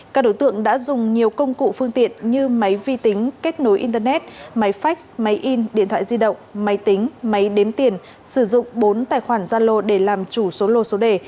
các đối tượng đã dùng nhiều công cụ phương tiện như máy vi tính kết nối internet máy phách máy in điện thoại di động máy tính máy đếm tiền sử dụng bốn tài khoản gia lô để làm chủ số lô số đề